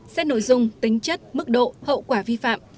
xét nội dung tính chất mức độ hậu quả vi phạm